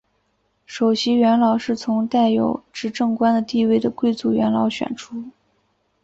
首席元老是从带有执政官的地位的贵族元老选出。